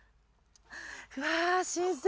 うわ新鮮。